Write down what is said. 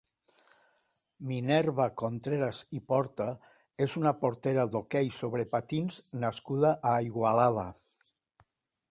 Minerva Contreras i Porta és una portera d'hoquei sobre patins nascuda a Igualada.